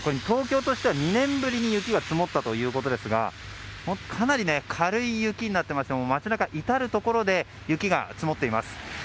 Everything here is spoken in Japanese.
東京としては２年ぶりに雪が積もったということですがかなり軽い雪になっていまして街中いたるところで雪が積もっています。